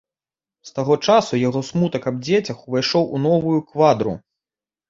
З таго часу яго смутак аб дзецях увайшоў у новую квадру.